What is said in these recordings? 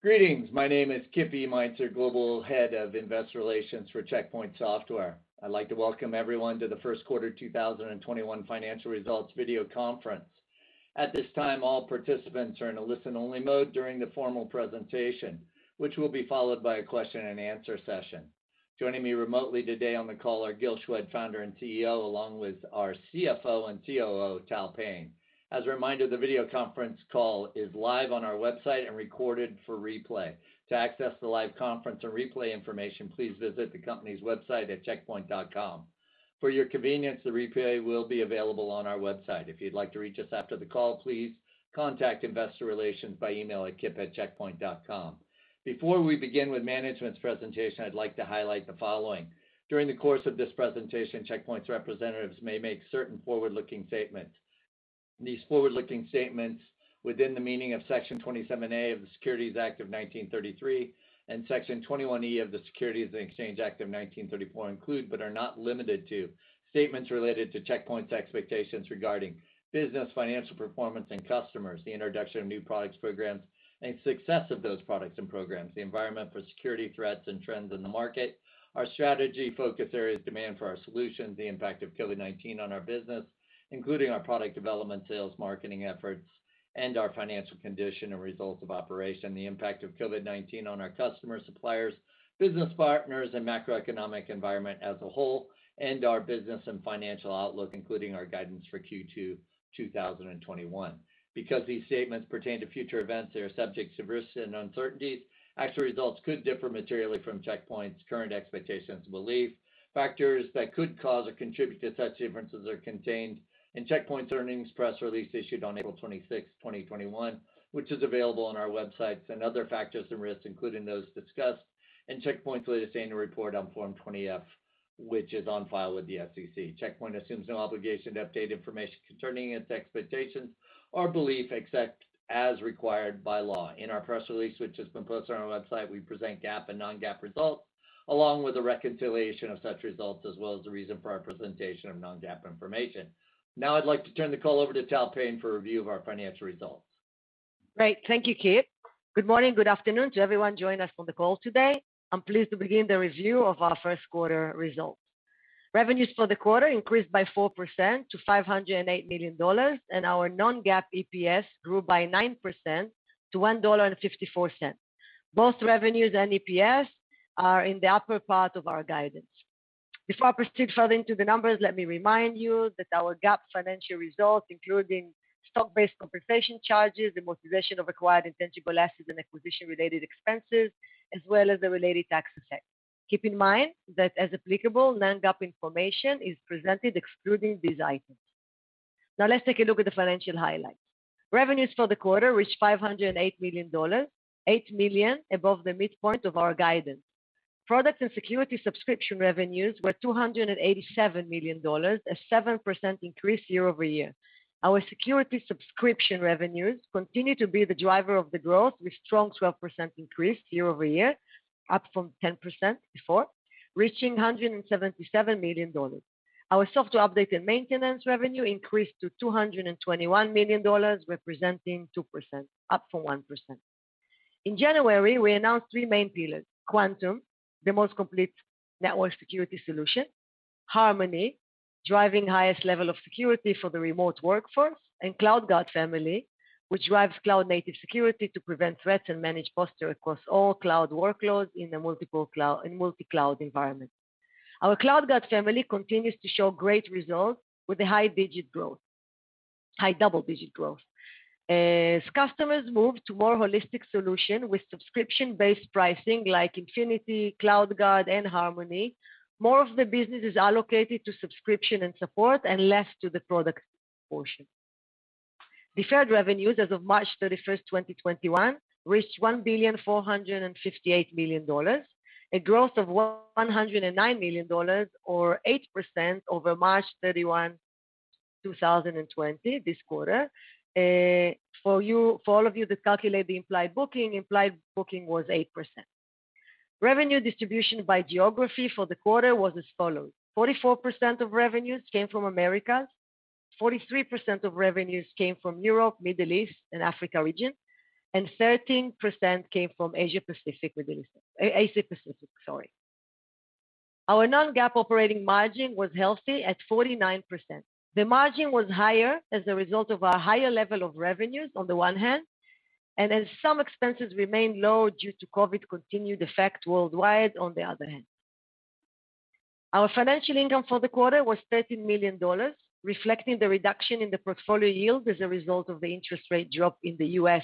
Greetings. My name is Kip E. Meintzer, Global Head of Investor Relations for Check Point Software. I'd like to welcome everyone to the first quarter 2021 financial results video conference. At this time, all participants are in a listen-only mode during the formal presentation, which will be followed by a question and answer session. Joining me remotely today on the call are Gil Shwed, Founder and CEO, along with our CFO and COO, Tal Payne. As a reminder, the video conference call is live on our website and recorded for replay. To access the live conference and replay information, please visit the company's website at checkpoint.com. For your convenience, the replay will be available on our website. If you'd like to reach us after the call, please contact investor relations by email at kip@checkpoint.com. Before we begin with management's presentation, I'd like to highlight the following. During the course of this presentation, Check Point's representatives may make certain forward-looking statements. These forward-looking statements within the meaning of Section 27A of the Securities Act of 1933 and Section 21E of the Securities Exchange Act of 1934 include, but are not limited to, statements related to Check Point's expectations regarding business, financial performance, and customers, the introduction of new products, programs, and success of those products and programs, the environment for security threats and trends in the market, our strategy, focus areas, demand for our solutions, the impact of Covid-19 on our business, including our product development, sales, marketing efforts, and our financial condition and results of operation, the impact of Covid-19 on our customers, suppliers, business partners, and macroeconomic environment as a whole, and our business and financial outlook, including our guidance for Q2 2021. Because these statements pertain to future events, they are subject to risks and uncertainties. Actual results could differ materially from Check Point's current expectations and beliefs. Factors that could cause or contribute to such differences are contained in Check Point's earnings press release issued on April 26, 2021, which is available on our websites, and other factors and risks, including those discussed in Check Point's latest annual report on Form 20-F, which is on file with the SEC. Check Point assumes no obligation to update information concerning its expectations or belief except as required by law. In our press release, which has been posted on our website, we present GAAP and non-GAAP results, along with a reconciliation of such results, as well as the reason for our presentation of non-GAAP information. Now I'd like to turn the call over to Tal Payne for a review of our financial results. Great. Thank you, Kip. Good morning, good afternoon to everyone joining us on the call today. I'm pleased to begin the review of our first quarter results. Revenues for the quarter increased by 4% to $508 million, and our non-GAAP EPS grew by 9% to $1.54. Both revenues and EPS are in the upper part of our guidance. Before I proceed further into the numbers, let me remind you that our GAAP financial results include stock-based compensation charges, amortization of acquired intangible assets, and acquisition-related expenses, as well as the related tax effect. Keep in mind that, as applicable, non-GAAP information is presented excluding these items. Now let's take a look at the financial highlights. Revenues for the quarter reached $508 million, $8 million above the midpoint of our guidance. Product and security subscription revenues were $287 million, a 7% increase year-over-year. Our security subscription revenues continue to be the driver of the growth, with strong 12% increase year-over-year, up from 10% before, reaching $177 million. Our software update and maintenance revenue increased to $221 million, representing 2%, up from 1%. In January, we announced three main pillars: Quantum, the most complete network security solution, Harmony, driving the highest level of security for the remote workforce, and CloudGuard family, which drives cloud-native security to prevent threats and manage posture across all cloud workloads in a multi-cloud environment. Our CloudGuard family continues to show great results with a high double-digit growth. As customers move to more holistic solutions with subscription-based pricing like Infinity, CloudGuard, and Harmony, more of the business is allocated to subscription and support and less to the product portion. Deferred revenues as of March 31, 2021, reached $1,458 million, a growth of $109 million or 8% over March 31, 2020, this quarter. For all of you that calculate the implied booking was 8%. Revenue distribution by geography for the quarter was as follows: 44% of revenues came from Americas, 43% of revenues came from Europe, Middle East, and Africa region, and 13% came from Asia Pacific region. Our non-GAAP operating margin was healthy at 49%. The margin was higher as a result of our higher level of revenues on the one hand, and as some expenses remained low due to COVID continued effect worldwide on the other hand. Our financial income for the quarter was $30 million, reflecting the reduction in the portfolio yield as a result of the interest rate drop in the U.S.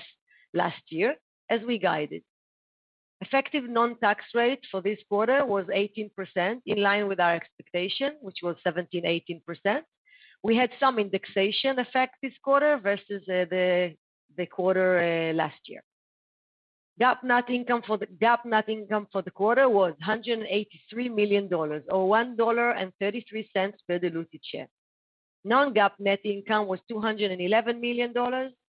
last year as we guided. Effective non-GAAP tax rate for this quarter was 18%, in line with our expectation, which was 17%, 18%. We had some indexation effect this quarter versus the quarter last year. GAAP net income for the quarter was $183 million, or $1.33 per diluted share. Non-GAAP net income was $211 million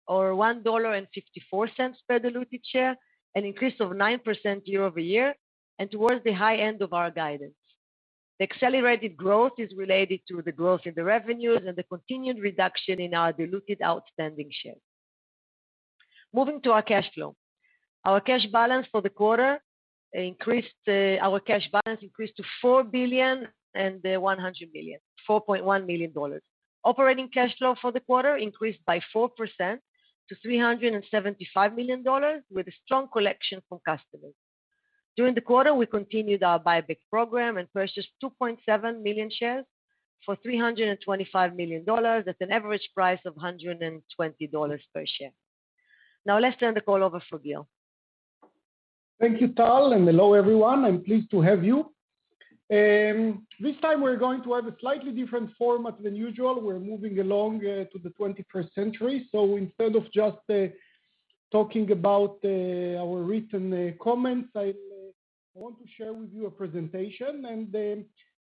or $1.54 per diluted share, an increase of 9% year-over-year and towards the high end of our guidance. The accelerated growth is related to the growth in the revenues and the continued reduction in our diluted outstanding shares. Moving to our cash flow. Our cash balance increased to $4.1 billion. Operating cash flow for the quarter increased by 4% to $375 million, with a strong collection from customers. During the quarter, we continued our buyback program and purchased 2.7 million shares for $325 million at an average price of $120 per share. Now let's turn the call over for Gil. Thank you, Tal, hello, everyone. I'm pleased to have you. This time we're going to have a slightly different format than usual. We're moving along to the 21st century. Instead of just talking about our written comments, I want to share with you a presentation.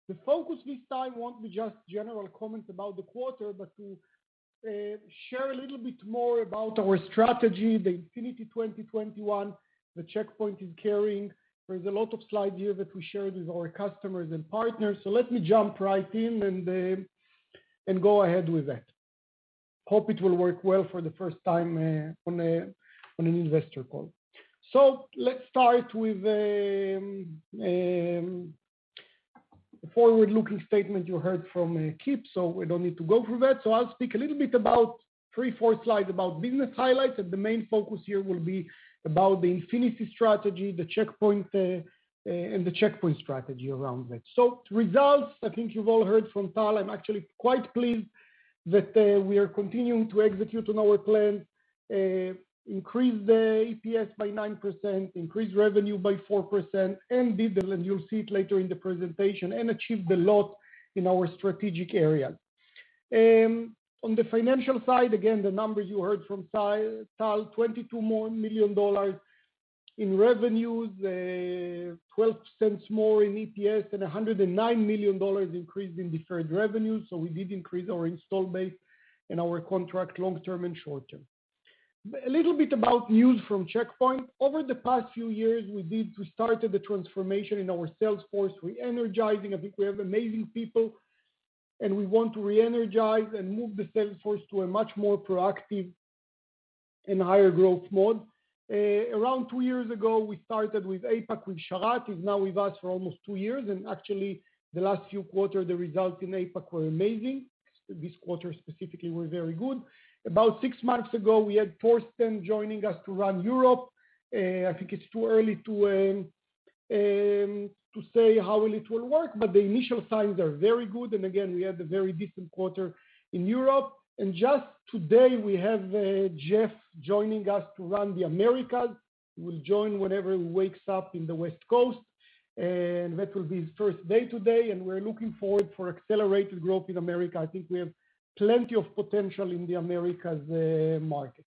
The focus this time won't be just general comments about the quarter, but to share a little bit more about our strategy, the Infinity 2021 that Check Point is carrying. There's a lot of slides here that we shared with our customers and partners. Let me jump right in and go ahead with that. Hope it will work well for the first time on an investor call. Let's start with the forward-looking statement you heard from Kip, so we don't need to go through that. I'll speak a little bit about three, four slides, about business highlights, and the main focus here will be about the Infinity strategy and the Check Point strategy around that. Results, I think you've all heard from Tal. I'm actually quite pleased that we are continuing to execute on our plan, increase the EPS by 9%, increase revenue by 4%, and you'll see it later in the presentation, and achieve a lot in our strategic area. On the financial side, again, the numbers you heard from Tal, $22 more million in revenues, $0.12 more in EPS, and $109 million increase in deferred revenues. We did increase our install base and our contract long-term and short-term. A little bit about news from Check Point. Over the past few years, we did start the transformation in our sales force, re-energizing. I think we have amazing people, and we want to re-energize and move the sales force to a much more proactive and higher growth mode. Around two years ago, we started with APAC, with Sharat, who's now with us for almost two years, and actually the last few quarters, the results in APAC were amazing. This quarter specifically were very good. About six months ago, we had Thorsten joining us to run Europe. I think it's too early to say how well it will work, but the initial signs are very good, and again, we had a very decent quarter in Europe. Just today, we have Geoff joining us to run the Americas. He will join whenever he wakes up in the West Coast, and that will be his first day today, and we're looking forward for accelerated growth in America. I think we have plenty of potential in the Americas market.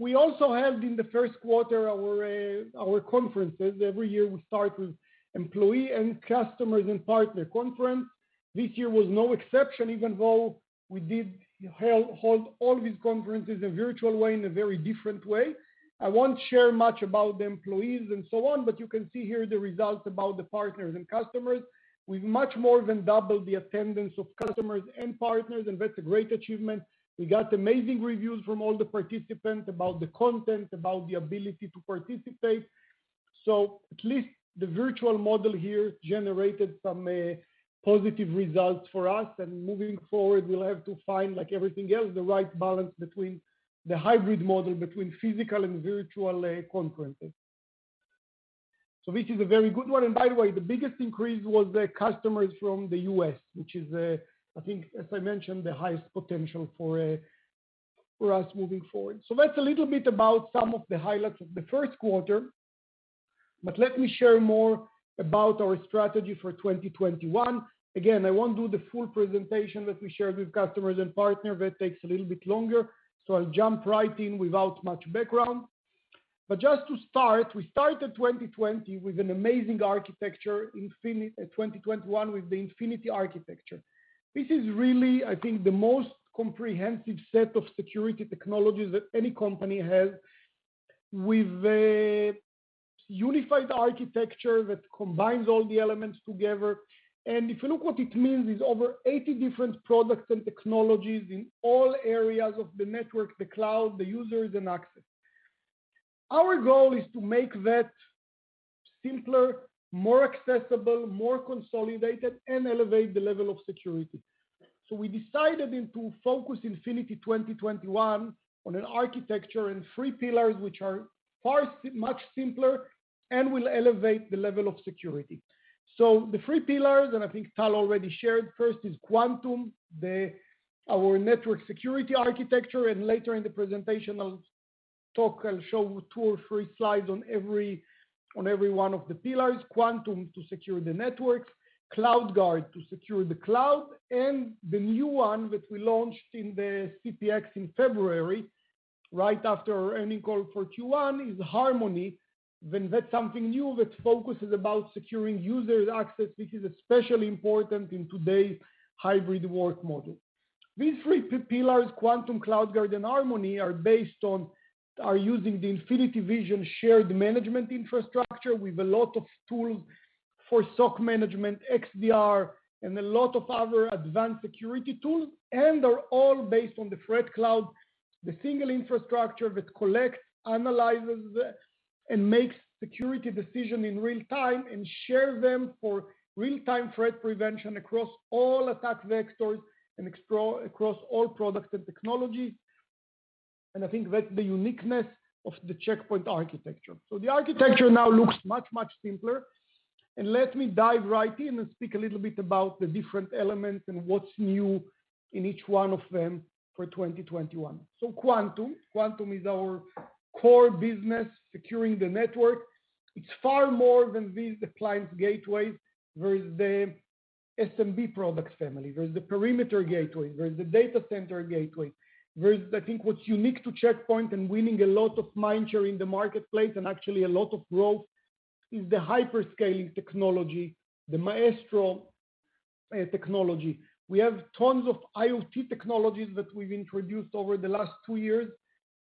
We also had in the first quarter our conferences. Every year we start with employee and customers and partner conference. This year was no exception, even though we did hold all these conferences in a virtual way, in a very different way. I won't share much about the employees and so on, but you can see here the results about the partners and customers. We've much more than doubled the attendance of customers and partners, and that's a great achievement. We got amazing reviews from all the participants about the content, about the ability to participate. At least the virtual model here generated some positive results for us, and moving forward, we'll have to find, like everything else, the right balance between the hybrid model, between physical and virtual conferences. This is a very good one. By the way, the biggest increase was the customers from the U.S., which is, I think as I mentioned, the highest potential for us moving forward. That's a little bit about some of the highlights of the first quarter, but let me share more about our strategy for 2021. Again, I won't do the full presentation that we shared with customers and partners. That takes a little bit longer. I'll jump right in without much background. Just to start, we started 2021 with an amazing architecture, the Infinity architecture. This is really, I think, the most comprehensive set of security technologies that any company has, with a unified architecture that combines all the elements together. If you look what it means, it's over 80 different products and technologies in all areas of the network, the cloud, the users, and access. Our goal is to make that simpler, more accessible, more consolidated, and elevate the level of security. We decided to focus Infinity 2021 on an architecture and three pillars, which are much simpler and will elevate the level of security. The three pillars, and I think Tal already shared, first is Quantum, our network security architecture. Later in the presentation, I'll show two or three slides on every one of the pillars. Quantum to secure the networks, CloudGuard to secure the cloud, and the new one that we launched in the CPX in February, right after our earning call for Q1, is Harmony. That's something new that focuses about securing users access, which is especially important in today's hybrid work model. These three pillars, Quantum, CloudGuard, and Harmony, are based on using the Infinity-Vision shared management infrastructure with a lot of tools for SOC management, XDR, and a lot of other advanced security tools, and are all based on the ThreatCloud, the single infrastructure that collects, analyzes, and makes security decisions in real time and share them for real time threat prevention across all attack vectors and across all products and technologies. I think that's the uniqueness of the Check Point architecture. The architecture now looks much, much simpler. Let me dive right in and speak a little bit about the different elements and what's new in each one of them for 2021. Quantum is our core business securing the network. It's far more than these appliance gateways. There is the SMB products family. There is the perimeter gateway. There is the data center gateway. I think what's unique to Check Point and winning a lot of mind share in the marketplace, and actually a lot of growth, is the hyperscaling technology, the Maestro technology. We have tons of IoT technologies that we've introduced over the last two years,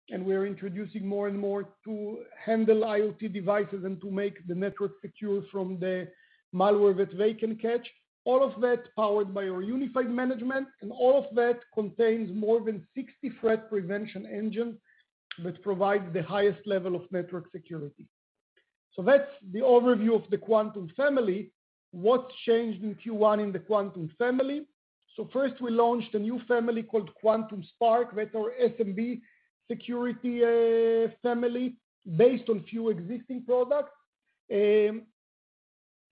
and we're introducing more and more to handle IoT devices and to make the network secure from the malware that they can catch. All of that powered by our unified management, and all of that contains more than 60 threat prevention engine, which provides the highest level of network security. That's the overview of the Quantum family. What's changed in Q1 in the Quantum family. First, we launched a new family called Quantum Spark with our SMB security family based on few existing products,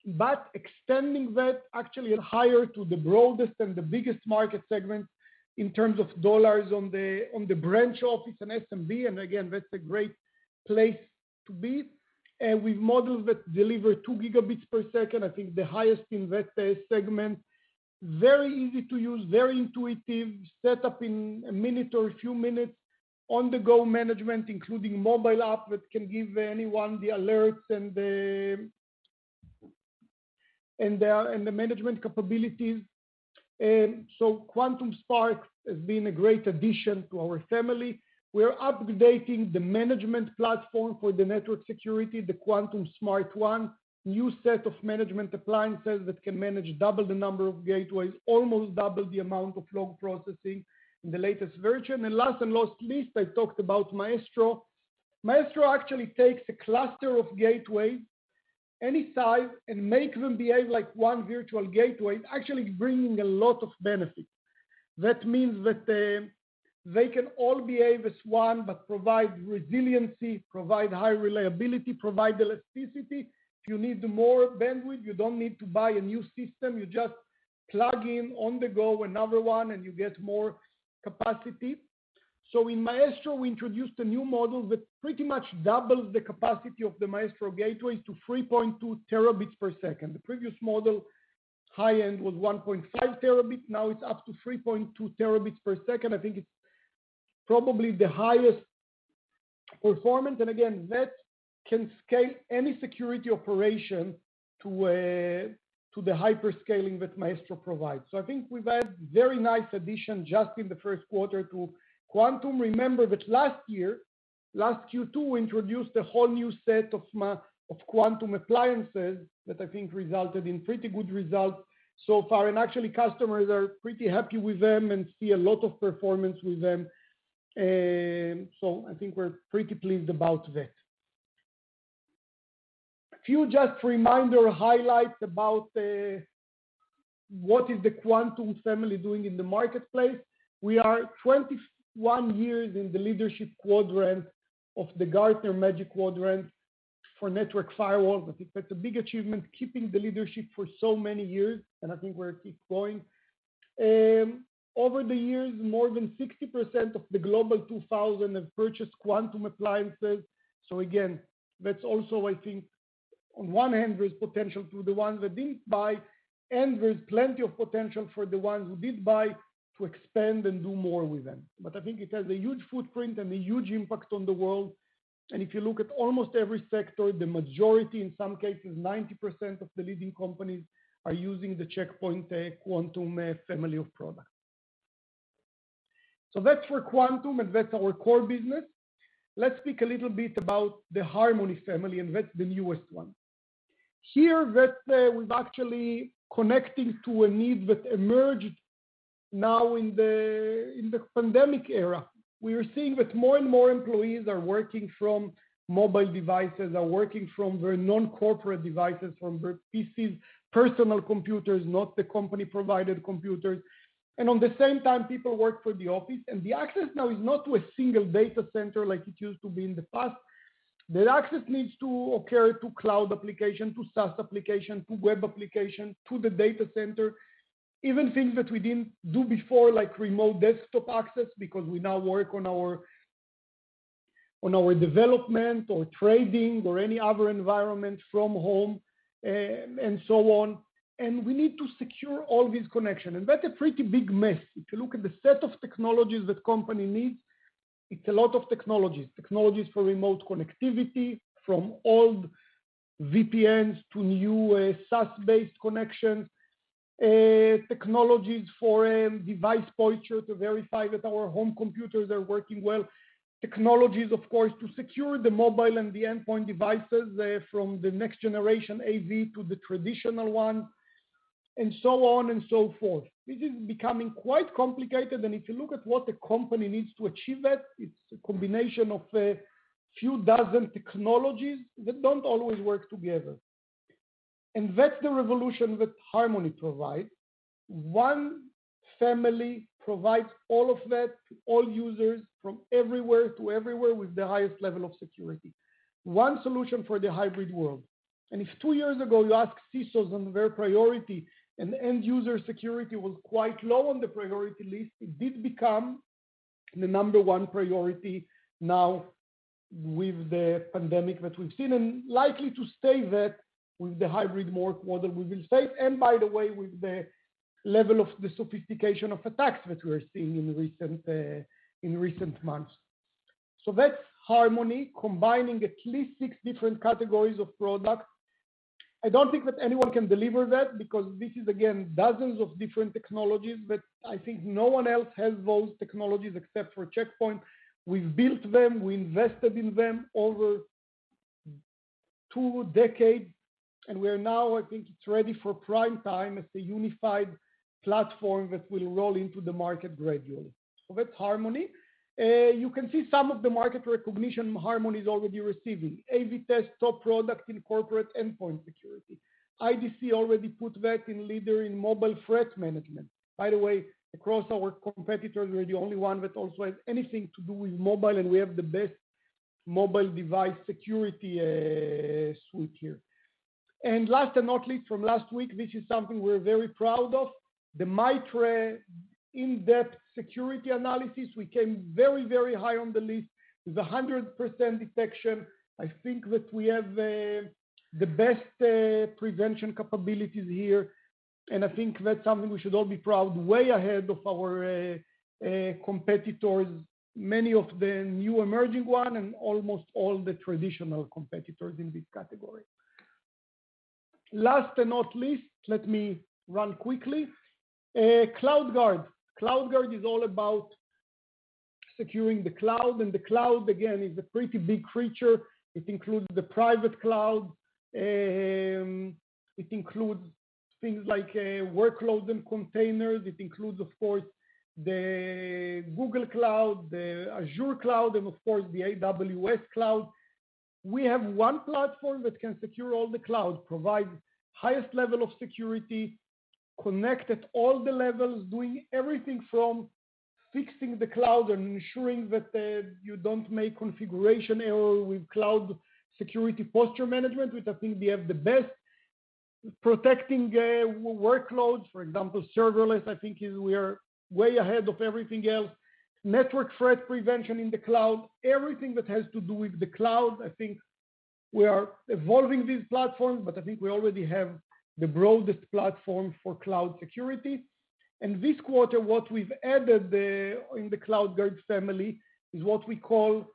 but extending that actually higher to the broadest and the biggest market segment in terms of dollars on the branch office and SMB, and again, that's a great place to be. With models that deliver 2 Gb per second, I think the highest in that segment. Very easy to use, very intuitive, set up in a minute or a few minutes. On-the-go management, including mobile app, that can give anyone the alerts and the management capabilities. Quantum Spark has been a great addition to our family. We are updating the management platform for the network security, the Quantum Smart-1. New set of management appliances that can manage double the number of gateways, almost double the amount of log processing in the latest version. Last but not least, I talked about Maestro. Maestro actually takes a cluster of gateways, any size, and make them behave like one virtual gateway. It's actually bringing a lot of benefit. That means that they can all behave as one, but provide resiliency, provide high reliability, provide elasticity. If you need more bandwidth, you don't need to buy a new system. You just plug in on the go another one, and you get more capacity. In Maestro, we introduced a new model that pretty much doubles the capacity of the Maestro gateways to 3.2 terabits per second. The previous model high-end was 1.5 terabits, now it's up to 3.2 terabits per second. I think it's probably the highest performance. Again, that can scale any security operation to the hyperscaling that Maestro provides. I think we've had very nice addition just in the first quarter to Quantum. Remember that last year, last Q2, we introduced a whole new set of Quantum appliances that I think resulted in pretty good results so far. Actually customers are pretty happy with them and see a lot of performance with them. I think we're pretty pleased about that. Few just reminder highlights about what is the Quantum family doing in the marketplace. We are 21 years in the leadership quadrant of the Gartner Magic Quadrant for network firewalls. I think that's a big achievement, keeping the leadership for so many years, and I think we're keep going. Over the years, more than 60% of the Global 2000 have purchased Quantum appliances. Again, that's also, I think, on one hand, there's potential to the ones that didn't buy, and there's plenty of potential for the ones who did buy to expand and do more with them. I think it has a huge footprint and a huge impact on the world. If you look at almost every sector, the majority, in some cases, 90% of the leading companies are using the Check Point Quantum family of products. That's for Quantum, and that's our core business. Let's speak a little bit about the Harmony family, and that's the newest one. Here that we've actually connecting to a need that emerged now in the pandemic era. We are seeing that more and more employees are working from mobile devices, are working from very non-corporate devices, from their PCs, personal computers, not the company provided computers. On the same time, people work for the office, and the access now is not to a single data center like it used to be in the past. Their access needs to occur to cloud application, to SaaS application, to web application, to the data center. Even things that we didn't do before, like remote desktop access, because we now work on our development or trading or any other environment from home, and so on. We need to secure all these connection. That's a pretty big mess. If you look at the set of technologies that company needs. It's a lot of technologies. Technologies for remote connectivity, from old VPNs to new SaaS-based connections. Technologies for device posture to verify that our home computers are working well. Technologies, of course, to secure the mobile and the endpoint devices, from the next generation AV to the traditional one, and so on and so forth. This is becoming quite complicated. If you look at what the company needs to achieve that, it's a combination of a few dozen technologies that don't always work together. That's the revolution that Harmony provides. One family provides all of that to all users from everywhere to everywhere with the highest level of security. One solution for the hybrid world. If two years ago you asked CISOs on their priority, end-user security was quite low on the priority list, it did become the number one priority now with the pandemic that we've seen, likely to stay that with the hybrid work model we will save. By the way, with the level of the sophistication of attacks that we are seeing in recent months. That's Harmony combining at least six different categories of products. I don't think that anyone can deliver that, because this is, again, dozens of different technologies, but I think no one else has those technologies except for Check Point. We built them, we invested in them over two decades, and we are now, I think it's ready for prime time as a unified platform that will roll into the market gradually. That's Harmony. You can see some of the market recognition Harmony is already receiving. AV-TEST top product in corporate endpoint security. IDC already put that in leader in mobile threat management. By the way, across our competitors, we're the only one that also has anything to do with mobile, and we have the best mobile device security suite here. Last but not least, from last week, which is something we're very proud of, the MITRE in-depth security analysis. We came very high on the list with 100% detection. I think that we have the best prevention capabilities here, and I think that's something we should all be proud. Way ahead of our competitors, many of the new emerging ones and almost all the traditional competitors in this category. Last but not least, let me run quickly. CloudGuard is all about securing the cloud, and the cloud, again, is a pretty big creature. It includes the private cloud. It includes things like workloads and containers. It includes, of course, the Google Cloud, the Azure cloud, and of course, the AWS cloud. We have one platform that can secure all the clouds, provide highest level of security, connect at all the levels, doing everything from fixing the cloud and ensuring that you don't make configuration error with cloud security posture management, which I think we have the best. Protecting workloads, for example, serverless, I think we are way ahead of everything else. Network threat prevention in the cloud, everything that has to do with the cloud, I think we are evolving this platform, but I think we already have the broadest platform for cloud security. This quarter, what we've added in the CloudGuard family is what we call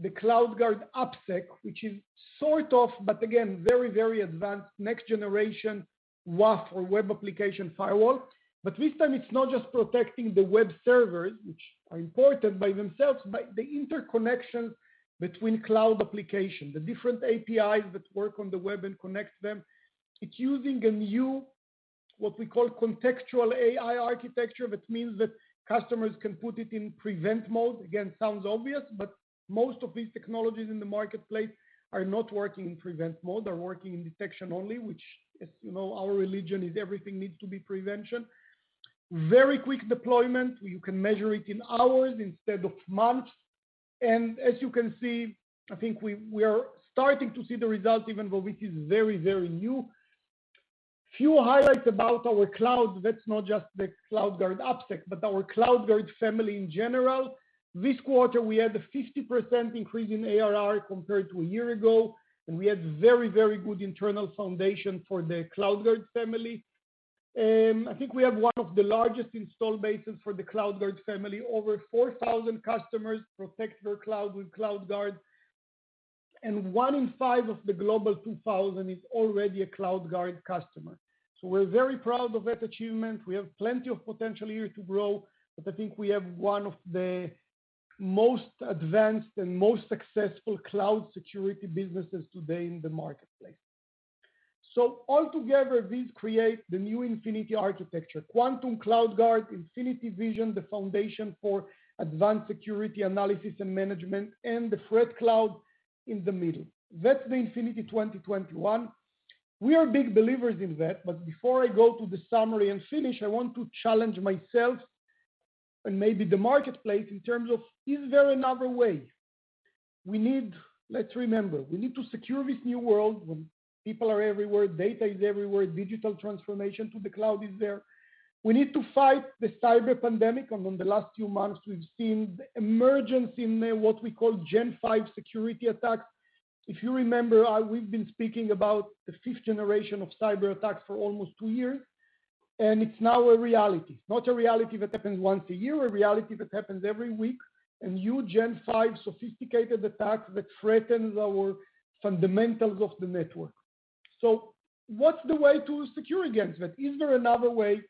the CloudGuard AppSec, which is sort of, but again, very advanced next generation WAF or web application firewall. This time it's not just protecting the web servers, which are important by themselves, but the interconnection between cloud application, the different APIs that work on the web and connects them. It's using a new, what we call Contextual AI architecture, which means that customers can put it in prevent mode. Again, sounds obvious, but most of these technologies in the marketplace are not working in prevent mode. They're working in detection only, which, as you know, our religion is everything needs to be prevention. Very quick deployment. You can measure it in hours instead of months. As you can see, I think we are starting to see the results even though this is very new. Few highlights about our cloud. That's not just the CloudGuard AppSec, but our CloudGuard family in general. This quarter, we had a 50% increase in ARR compared to a year ago. We had very good internal foundation for the CloudGuard family. I think we have one of the largest install bases for the CloudGuard family. Over 4,000 customers protect their cloud with CloudGuard. One in five of the Global 2000 is already a CloudGuard customer. We're very proud of that achievement. We have plenty of potential here to grow. I think we have one of the most advanced and most successful cloud security businesses today in the marketplace. Altogether, these create the new Infinity Architecture, Quantum CloudGuard, Infinity Vision, the foundation for advanced security analysis and management, and the ThreatCloud in the middle. That's the Infinity 2021. We are big believers in that. Before I go to the summary and finish, I want to challenge myself and maybe the marketplace in terms of, is there another way? Let's remember, we need to secure this new world when people are everywhere, data is everywhere, digital transformation to the cloud is there. We need to fight the cyber pandemic. In the last few months, we've seen the emergence in what we call Gen V security attacks. If you remember, we've been speaking about the fifth generation of cyberattacks for almost two years. It's now a reality. Not a reality that happens once a year, a reality that happens every week, a new Gen V sophisticated attack that threatens our fundamentals of the network. What's the way to secure against that? Is there another way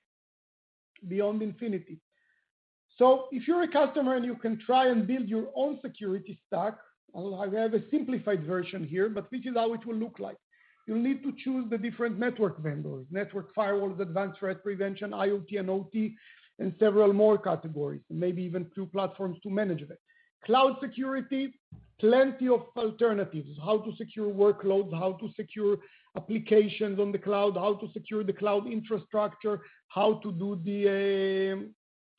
beyond Infinity? If you're a customer and you can try and build your own security stack, although I have a simplified version here, but this is how it will look like. You'll need to choose the different network vendors, network firewalls, advanced threat prevention, IoT and OT, and several more categories, maybe even two platforms to manage it. Cloud security, plenty of alternatives. How to secure workloads, how to secure applications on the cloud, how to secure the cloud infrastructure, how to do the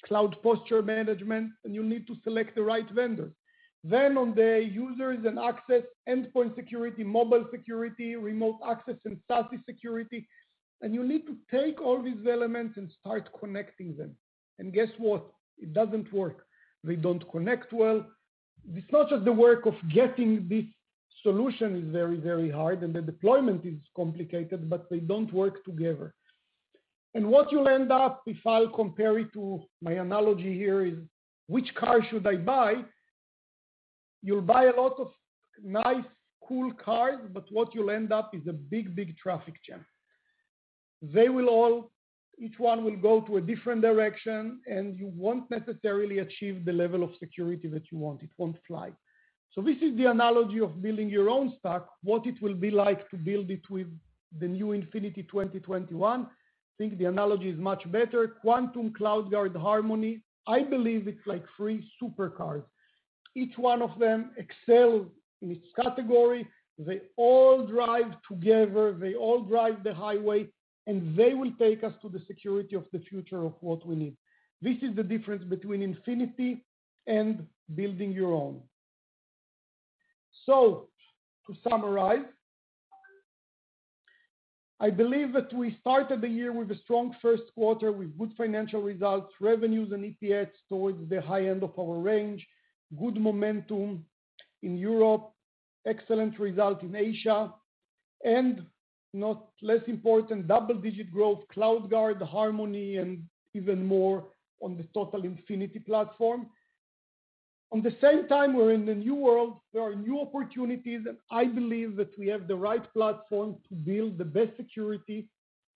cloud posture management, and you need to select the right vendor. On the users and access, endpoint security, mobile security, remote access, and SASE security, and you need to take all these elements and start connecting them. Guess what. It doesn't work. They don't connect well. It's not just the work of getting this solution is very, very hard, and the deployment is complicated, but they don't work together. What you'll end up, if I'll compare it to my analogy here, is which car should I buy? You'll buy a lot of nice, cool cars, but what you'll end up is a big, big traffic jam. Each one will go to a different direction, and you won't necessarily achieve the level of security that you want. It won't fly. This is the analogy of building your own stack, what it will be like to build it with the new Infinity 2021. Think the analogy is much better. Quantum, CloudGuard, Harmony, I believe it's like three super cars. Each one of them excel in its category. They all drive together. They all drive the highway, and they will take us to the security of the future of what we need. This is the difference between Infinity and building your own. To summarize, I believe that we started the year with a strong first quarter with good financial results, revenues and EPS towards the high end of our range, good momentum in Europe, excellent result in Asia, and not less important, double-digit growth, CloudGuard, Harmony, and even more on the total Infinity platform. At the same time, we're in the new world, there are new opportunities, and I believe that we have the right platform to build the best security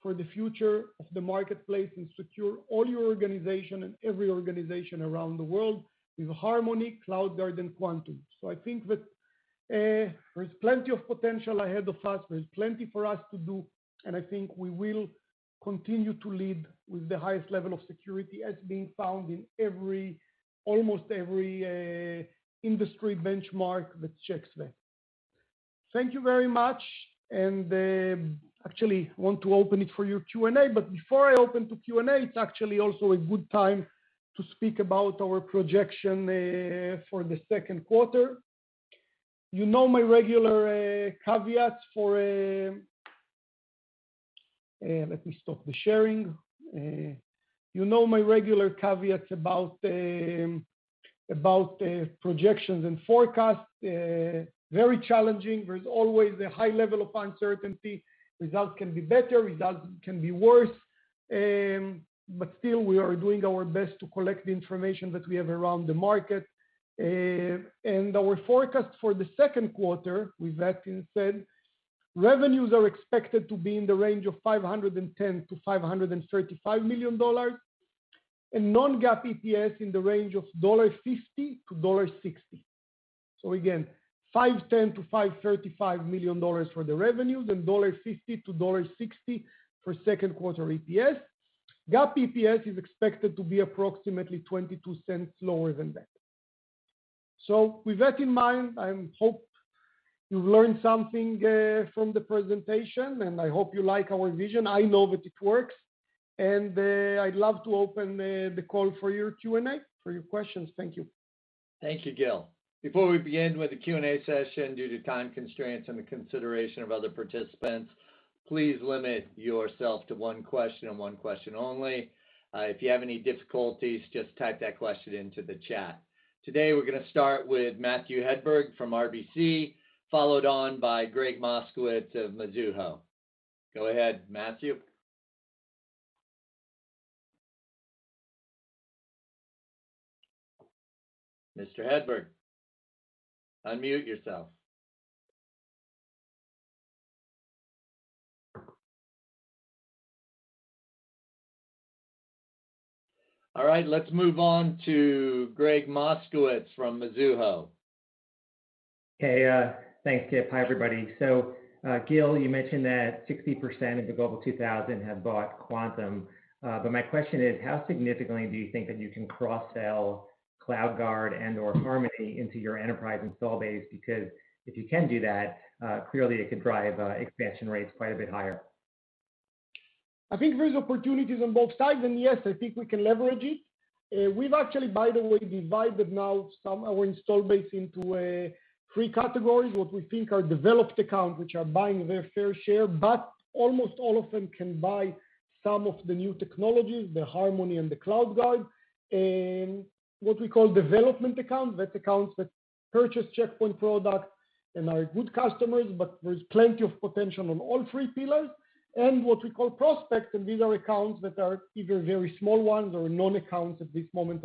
for the future of the marketplace and secure all your organization and every organization around the world with Harmony, CloudGuard, and Quantum. I think that there's plenty of potential ahead of us. There's plenty for us to do, and I think we will continue to lead with the highest level of security as being found in almost every industry benchmark that checks that. Thank you very much. Actually want to open it for your Q&A. Before I open to Q&A, it's actually also a good time to speak about our projection for the second quarter. You know my regular caveats. Let me stop the sharing. You know my regular caveats about projections and forecasts. Very challenging. There's always a high level of uncertainty. Results can be better, results can be worse. Still we are doing our best to collect the information that we have around the market. Our forecast for the second quarter, with that being said, revenues are expected to be in the range of $510 million-$535 million, and non-GAAP EPS in the range of $1.50-$1.60. Again, $510 million-$535 million for the revenues and $1.50-$1.60 for second quarter EPS. GAAP EPS is expected to be approximately $0.22 lower than that. With that in mind, I hope you've learned something from the presentation, and I hope you like our vision. I know that it works. I'd love to open the call for your Q&A, for your questions. Thank you. Thank you, Gil. Before we begin with the Q&A session, due to time constraints and the consideration of other participants, please limit yourself to one question and one question only. If you have any difficulties, just type that question into the chat. Today, we're going to start with Matthew Hedberg from RBC, followed on by Gregg Moskowitz of Mizuho. Go ahead, Matthew. Mr. Hedberg, unmute yourself. All right, let's move on to Gregg Moskowitz from Mizuho. Hey, thanks, Kip. Hi, everybody. Gil, you mentioned that 60% of the Global 2000 have bought Quantum. My question is, how significantly do you think that you can cross-sell CloudGuard and/or Harmony into your enterprise install base? If you can do that, clearly it could drive expansion rates quite a bit higher. I think there's opportunities on both sides, yes, I think we can leverage it. We've actually, by the way, divided now our install base into three categories, what we think are developed accounts, which are buying their fair share, almost all of them can buy some of the new technologies, the Harmony and the CloudGuard. What we call development accounts, that's accounts that purchase Check Point products and are good customers, there's plenty of potential on all three pillars what we call prospects, these are accounts that are either very small ones or non-accounts at this moment,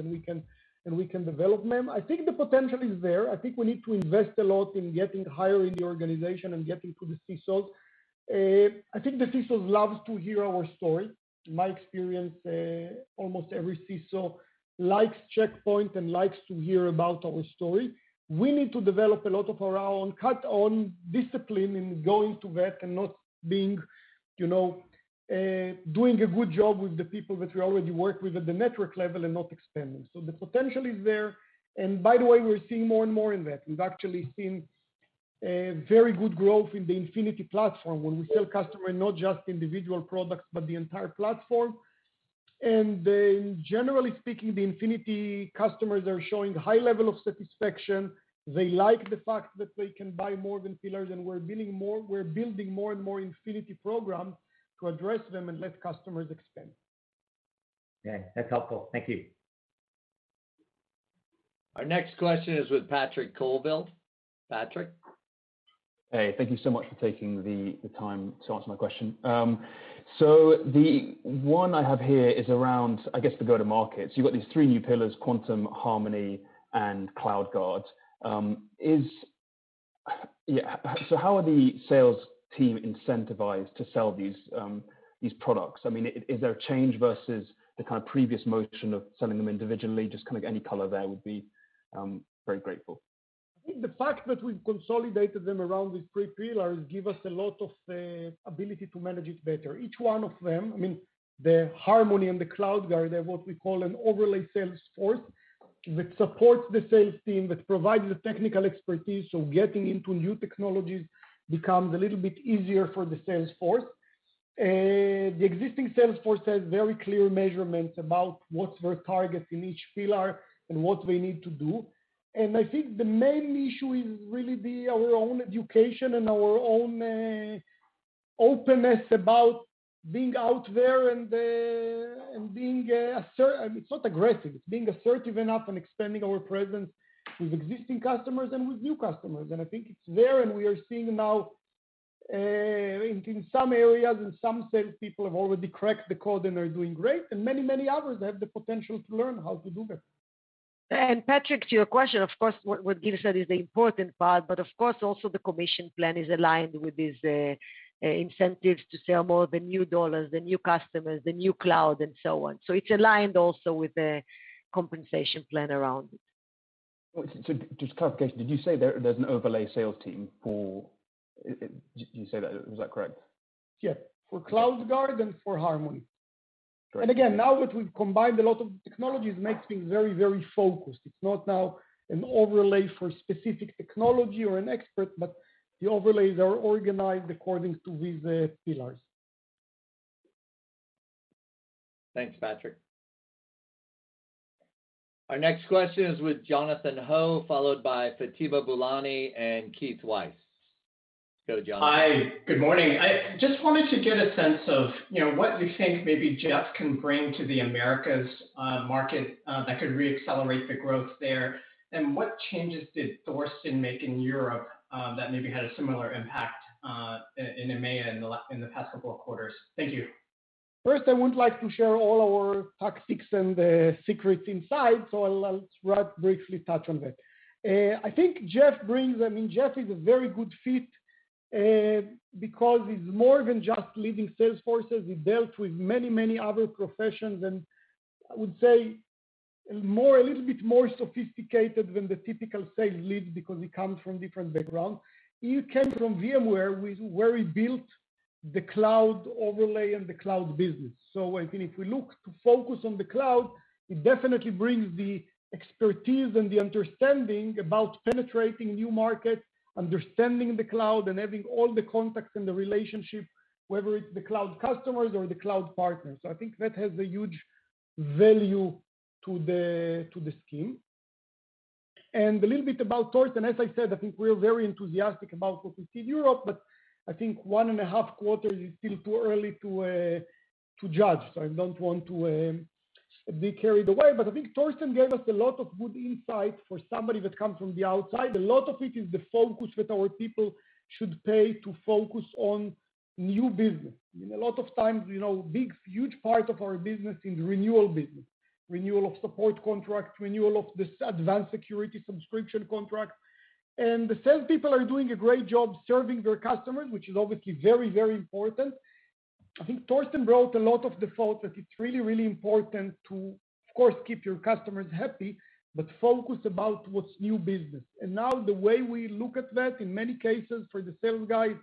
we can develop them. I think the potential is there. I think we need to invest a lot in getting higher in the organization and getting to the CISOs. I think the CISOs love to hear our story. In my experience, almost every CISO likes Check Point and likes to hear about our story. We need to develop a lot of our own discipline in going to that and doing a good job with the people that we already work with at the network level and not expanding. The potential is there. By the way, we're seeing more and more in that. We've actually seen very good growth in the Infinity platform, where we sell customers not just individual products, but the entire platform. Generally speaking, the Infinity customers are showing high level of satisfaction. They like the fact that they can buy more than pillars, and we're building more and more Infinity program to address them and let customers expand. Okay. That's helpful. Thank you. Our next question is with Patrick Colville. Patrick? Hey, thank you so much for taking the time to answer my question. The one I have here is around, I guess, the go to markets. You've got these three new pillars, Quantum, Harmony, and CloudGuard. How are the sales team incentivized to sell these products? Is there a change versus the kind of previous motion of selling them individually? Just any color there would be very grateful. I think the fact that we've consolidated them around these three pillars give us a lot of ability to manage it better. Each one of them, I mean, the Harmony and the CloudGuard, they're what we call an overlay sales force that supports the sales team, that provides the technical expertise. Getting into new technologies becomes a little bit easier for the sales force. The existing sales force has very clear measurements about what's their targets in each pillar and what we need to do. I think the main issue is really our own education and our own openness about being out there and being assertive enough and expanding our presence with existing customers and with new customers. I think it's there, and we are seeing now in some areas and some sales people have already cracked the code and are doing great, and many others have the potential to learn how to do that. Patrick, to your question, of course, what Gil said is the important part, but of course also the commission plan is aligned with these incentives to sell more of the new dollars, the new customers, the new cloud and so on. It's aligned also with the compensation plan around it. Just clarification, did you say there's an overlay sales team for, did you say that? Is that correct? Yeah. For CloudGuard and for Harmony. Great. Again, now that we've combined a lot of technologies, makes things very focused. It's not now an overlay for specific technology or an expert, but the overlays are organized according to these pillars. Thanks, Patrick. Our next question is with Jonathan Ho, followed by Fatima Boolani and Keith Weiss. Go, Jonathan. Hi. Good morning. I just wanted to get a sense of what you think maybe Jeff Schwartz can bring to the Americas market that could re-accelerate the growth there, and what changes did Thorsten Freitag make in Europe that maybe had a similar impact in EMEA in the past couple of quarters? Thank you. I wouldn't like to share all our tactics and secrets inside, I'll just briefly touch on that. I think Jeff is a very good fit, because he's more than just leading sales forces. He's dealt with many other professions and I would say a little bit more sophisticated than the typical sales lead because he comes from different background. He came from VMware, where he built the cloud overlay and the cloud business. I think if we look to focus on the cloud, he definitely brings the expertise and the understanding about penetrating new markets, understanding the cloud, and having all the contacts and the relationship, whether it's the cloud customers or the cloud partners. I think that has a huge value to the scheme. A little bit about Thorsten, as I said, I think we're very enthusiastic about what we see in Europe, but I think one and a half quarters is still too early to judge. I don't want to be carried away, but I think Thorsten gave us a lot of good insight for somebody that comes from the outside. A lot of it is the focus that our people should pay to focus on new business. A lot of times, big, huge part of our business is renewal business, renewal of support contracts, renewal of this advanced security subscription contract. The sales people are doing a great job serving their customers, which is obviously very important. I think Thorsten brought a lot of the thought that it's really important to, of course, keep your customers happy, but focus about what's new business. Now the way we look at that, in many cases, for the sales guys,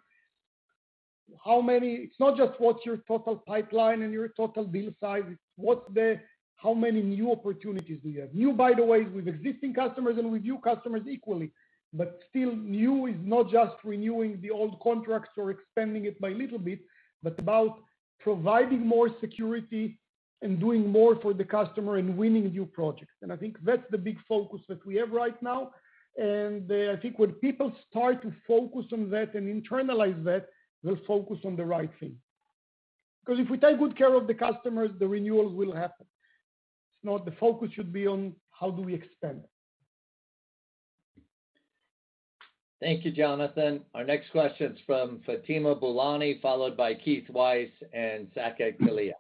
it's not just what's your total pipeline and your total bill size, it's how many new opportunities do you have. New, by the way, is with existing customers and with new customers equally, but still new is not just renewing the old contracts or expanding it by little bit, but about providing more security and doing more for the customer and winning new projects. I think that's the big focus that we have right now. I think when people start to focus on that and internalize that, they'll focus on the right thing. If we take good care of the customers, the renewals will happen. The focus should be on how do we expand. Thank you, Jonathan. Our next question is from Fatima Boolani, followed by Keith Weiss and Saket Kalia.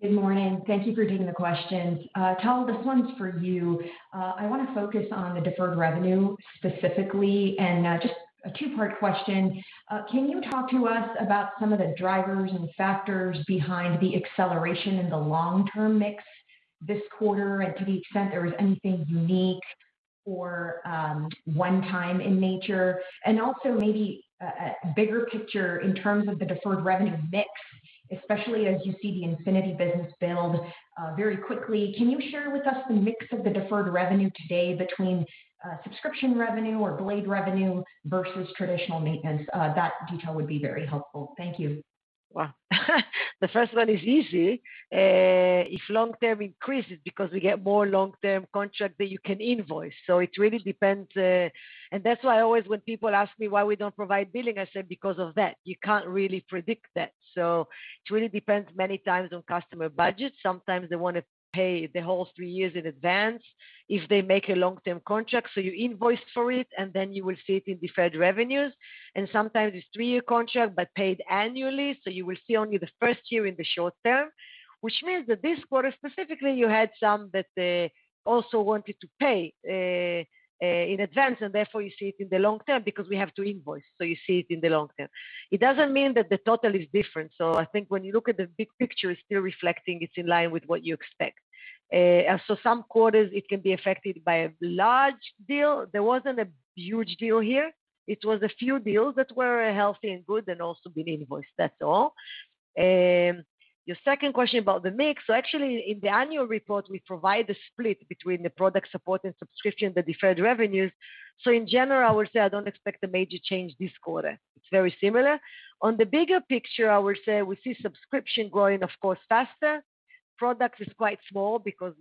Good morning. Thank you for taking the questions. Tal, this one is for you. I want to focus on the deferred revenue specifically, just a two-part question. Can you talk to us about some of the drivers and factors behind the acceleration in the long-term mix this quarter, and to the extent there was anything unique or one time in nature? Also maybe a bigger picture in terms of the deferred revenue mix, especially as you see the Infinity business build very quickly. Can you share with us the mix of the deferred revenue today between subscription revenue or blade revenue versus traditional maintenance? That detail would be very helpful. Thank you. Wow. The first one is easy. If long-term increases, because we get more long-term contract that you can invoice, so it really depends. That's why always when people ask me why we don't provide billing, I say because of that, you can't really predict that. It really depends many times on customer budget. Sometimes they want to pay the whole three years in advance if they make a long-term contract, so you invoice for it, and then you will see it in deferred revenues. Sometimes it's three-year contract, but paid annually, so you will see only the first year in the short term, which means that this quarter specifically, you had some that also wanted to pay in advance, and therefore you see it in the long term because we have to invoice, so you see it in the long term. It doesn't mean that the total is different. I think when you look at the big picture, it's still reflecting it's in line with what you expect. Some quarters it can be affected by a large deal. There wasn't a huge deal here. It was a few deals that were healthy and good and also been invoiced. That's all. Your second question about the mix. Actually, in the annual report, we provide the split between the product support and subscription, the deferred revenues. In general, I would say I don't expect a major change this quarter. It's very similar. On the bigger picture, I would say we see subscription growing, of course, faster. Products is quite small because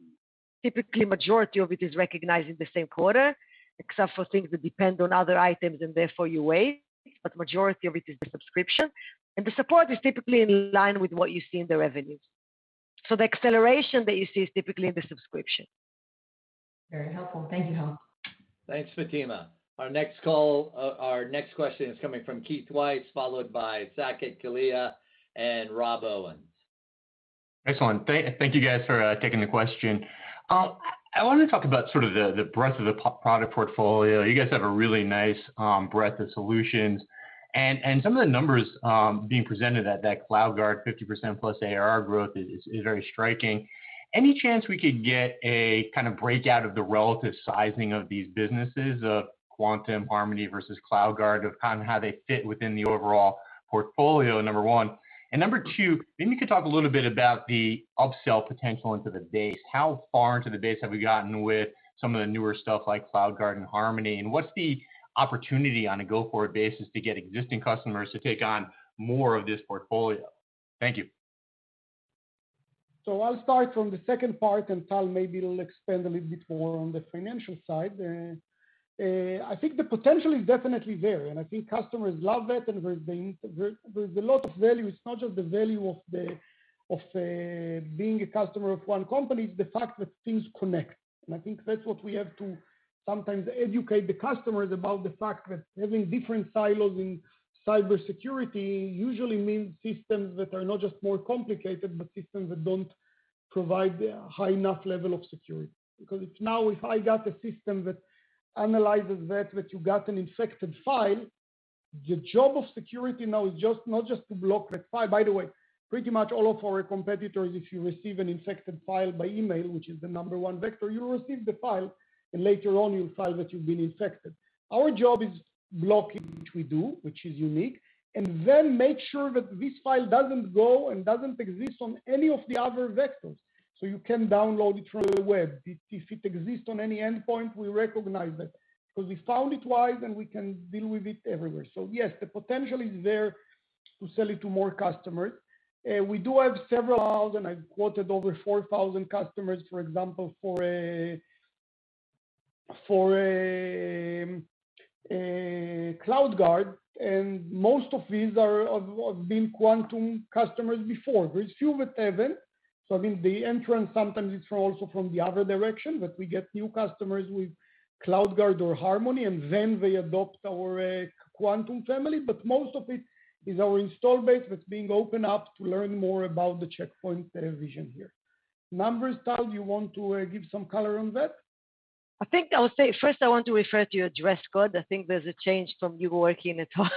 typically majority of it is recognized in the same quarter, except for things that depend on other items and therefore you wait. Majority of it is the subscription, and the support is typically in line with what you see in the revenues. The acceleration that you see is typically in the subscription. Very helpful. Thank you, Tal. Thanks, Fatima. Our next question is coming from Keith Weiss, followed by Saket Kalia and Rob Owens. Excellent. Thank you guys for taking the question. I wanted to talk about sort of the breadth of the product portfolio. You guys have a really nice breadth of solutions. Some of the numbers being presented at that CloudGuard 50%+ ARR growth is very striking. Any chance we could get a kind of breakout of the relative sizing of these businesses, of Quantum, Harmony versus CloudGuard, of kind of how they fit within the overall portfolio, number one. Number two, maybe you could talk a little bit about the upsell potential into the base. How far into the base have we gotten with some of the newer stuff like CloudGuard and Harmony, and what's the opportunity on a go-forward basis to get existing customers to take on more of this portfolio? Thank you. I'll start from the second part, and Tal maybe will expand a little bit more on the financial side. I think the potential is definitely there, and I think customers love it, and there's a lot of value. It's not just the value of being a customer of one company, it's the fact that things connect. I think that's what we have to sometimes educate the customers about the fact that having different silos in cybersecurity usually means systems that are not just more complicated, but systems that don't provide a high enough level of security. If now if I got a system that analyzes that you got an infected file, your job of security now is not just to block that file. By the way, pretty much all of our competitors, if you receive an infected file by email, which is the number one vector, you receive the file and later on you'll find that you've been infected. Our job is blocking, which we do, which is unique, and then make sure that this file doesn't go and doesn't exist on any of the other vectors. You can download it through the web. If it exists on any endpoint, we recognize that, because we found it once and we can deal with it everywhere. Yes, the potential is there to sell it to more customers. We do have several 1,000 customers. I quoted over 4,000 customers, for example, for CloudGuard, and most of these have been Quantum customers before. There's few that haven't. I think the entrance sometimes is also from the other direction, that we get new customers with CloudGuard or Harmony, and then they adopt our Quantum family. Most of it is our install base that's being opened up to learn more about the Check Point vision here. Numbers, Tal, you want to give some color on that? I think I'll say first I want to refer to your dress code. I think there's a change from you working at home.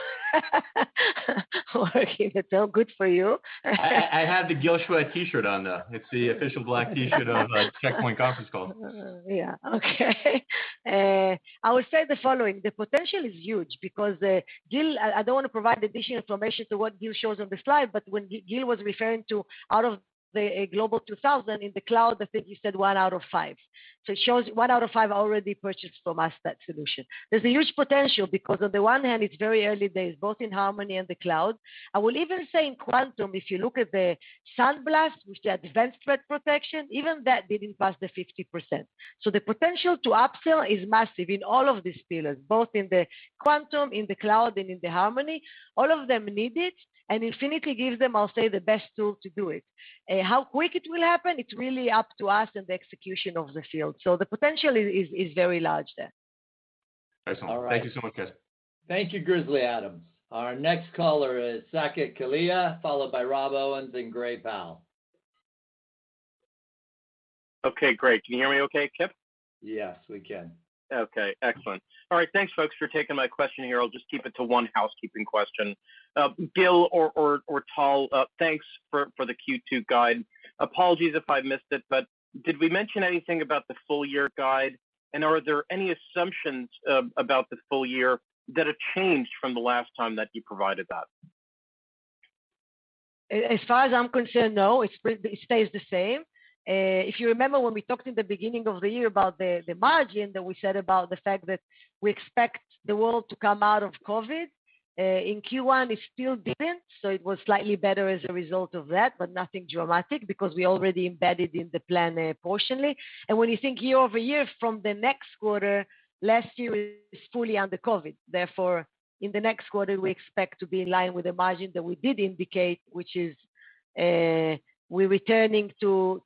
Working at home. Good for you. I have the Gil Shwed T-shirt on, though. It's the official black T-shirt of Check Point conference calls. Yeah. Okay. I would say the following, the potential is huge because Gil, I don't want to provide additional information to what Gil shows on the slide, but when Gil was referring to out of the Global 2000 in the cloud, I think he said one out of five. It shows one out of five already purchased from us that solution. There's a huge potential because on the one hand, it's very early days, both in Harmony and the cloud. I will even say in Quantum, if you look at the SandBlast, which is advanced threat protection, even that didn't pass the 50%. The potential to upsell is massive in all of these pillars, both in the Quantum, in the cloud, and in the Harmony. All of them need it, Infinity gives them, I'll say, the best tool to do it. How quick it will happen, it's really up to us and the execution of the field. The potential is very large there. Excellent. All right. Thank you so much, guys. Thank you, Keith Weiss. Our next caller is Saket Kalia, followed by Rob Owens, then Gray Powell. Okay, great. Can you hear me okay, Kip? Yes, we can. Okay, excellent. All right. Thanks folks for taking my question here. I'll just keep it to one housekeeping question. Gil or Tal, thanks for the Q2 guide. Apologies if I missed it, but did we mention anything about the full year guide? Are there any assumptions about the full year that have changed from the last time that you provided that? As far as I'm concerned, no, it stays the same. If you remember when we talked in the beginning of the year about the margin, that we said about the fact that we expect the world to come out of COVID. In Q1, it still didn't, so it was slightly better as a result of that, but nothing dramatic because we already embedded in the plan proportionally. When you think year-over-year from the next quarter, last year is fully under COVID. Therefore, in the next quarter, we expect to be in line with the margin that we did indicate, which is, we're returning to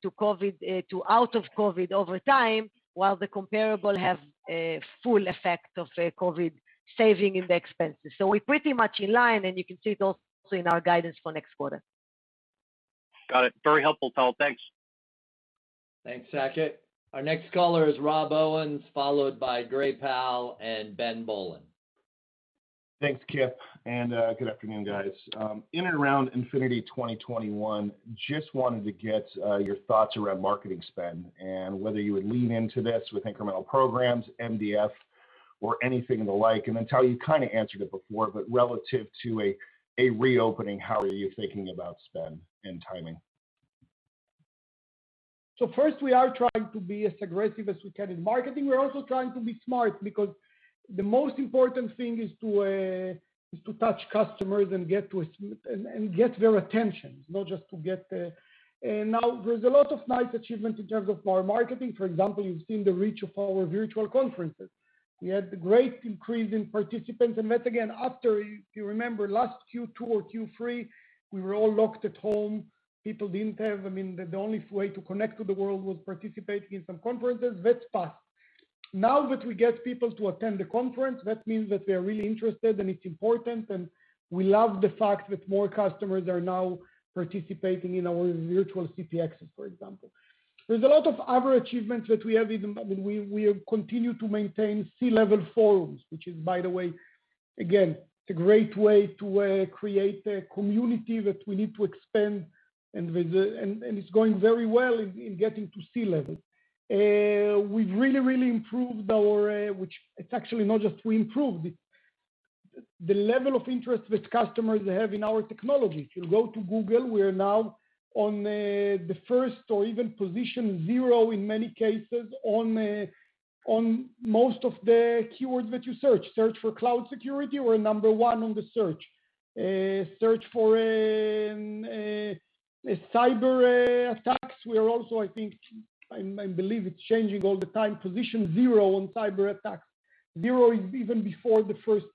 out of COVID over time, while the comparable have full effect of COVID savings in the expenses. We're pretty much in line, and you can see it also in our guidance for next quarter. Got it. Very helpful, Tal. Thanks. Thanks, Saket. Our next caller is Rob Owens, followed by Gray Powell and Ben Bollin. Thanks, Kip. Good afternoon, guys. In and around Infinity 2021, just wanted to get your thoughts around marketing spend and whether you would lean into this with incremental programs, MDF, or anything of the like. Tal, you kind of answered it before, but relative to a reopening, how are you thinking about spend and timing? First, we are trying to be as aggressive as we can in marketing. We're also trying to be smart because the most important thing is to touch customers and get their attention. There's a lot of nice achievements in terms of our marketing. For example, you've seen the reach of our virtual conferences. We had a great increase in participants, and met again after, if you remember, last Q2 or Q3, we were all locked at home. People didn't have, I mean, the only way to connect to the world was participating in some conferences. That's past. That we get people to attend the conference, that means that they're really interested, and it's important, and we love the fact that more customers are now participating in our virtual CPXs, for example. There's a lot of other achievements that we have. We have continued to maintain C-level forums, which is, by the way, again, a great way to create a community that we need to expand, and it's going very well in getting to C-level. We've really improved our, which it's actually not just we improved, the level of interest that customers have in our technology. If you go to Google, we are now on the first or even position zero in many cases on most of the keywords that you search. Search for cloud security, we're number one on the search. Search for cyber attacks, we are also, I think, I believe it's changing all the time, position zero on cyber attacks. Zero is even before the first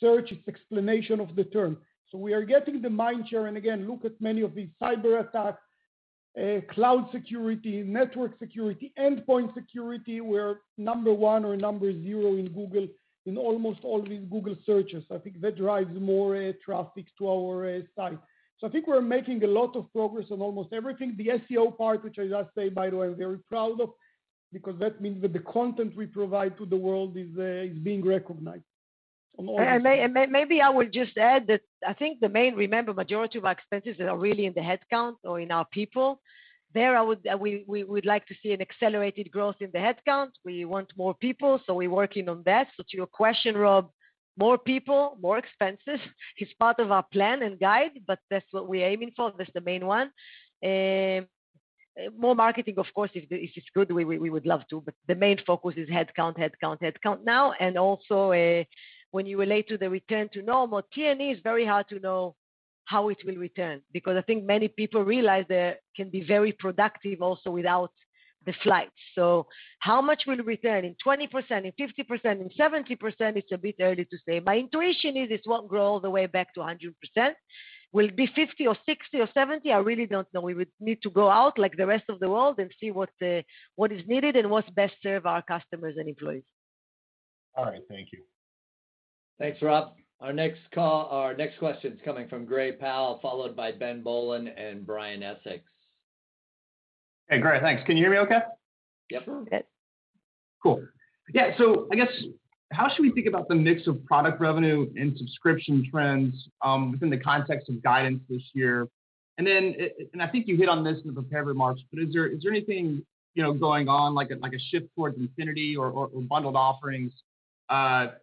search, it's explanation of the term. We are getting the mind share, and again, look at many of these cyber attacks, cloud security, network security, endpoint security, we're number one or number zero in Google in almost all of these Google searches. I think that drives more traffic to our site. I think we're making a lot of progress on almost everything. The SEO part, which I just say, by the way, we're very proud of, because that means that the content we provide to the world is being recognized on all of these. Maybe I will just add that I think the main, remember, majority of our expenses are really in the headcount or in our people. There, we would like to see an accelerated growth in the headcount. We want more people, we're working on that. To your question, Rob, more people, more expenses is part of our plan and guide, but that's what we're aiming for. That's the main one. More marketing, of course, is good. We would love to, the main focus is headcount now, and also when you relate to the return to normal, T&E is very hard to know how it will return, because I think many people realize they can be very productive also without the flights. How much will return, in 20%, in 50%, in 70%? It's a bit early to say. My intuition is it won't grow all the way back to 100%. Will it be 50% or 60% or 70%? I really don't know. We would need to go out like the rest of the world and see what is needed and what's best serve our customers and employees. All right. Thank you. Thanks, Rob. Our next question's coming from Gray Powell, followed by Ben Bollin and Brian Essex. Hey, Gray. Thanks. Can you hear me okay? Yep. Good. Cool. Yeah. I guess, how should we think about the mix of product revenue and subscription trends within the context of guidance this year? I think you hit on this in the prepared remarks, but is there anything going on, like a shift towards Infinity or bundled offerings, that